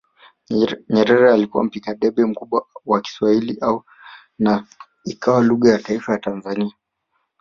Nyerere alikuwa mpiga debe mkubwa wa Kiswahili na ikawa lugha ya taifa ya Tanzania